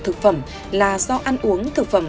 thực phẩm là do ăn uống thực phẩm